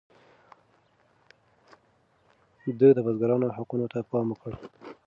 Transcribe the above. ده د بزګرانو حقونو ته پام وکړ.